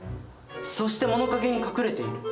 そして物陰に隠れている。